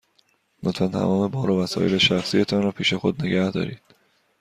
لطفاً تمام بار و وسایل شخصی تان را پیش خود نگه دارید.